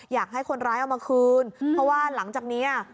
อยากให้คนร้ายเอามาคืนเพราะว่าหลังจากเนี้ย